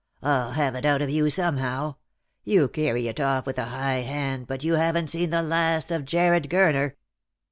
" I'll have it out of you somehow. You carry it off with a high hand, but you haven't seen the last of Jarred Gurner."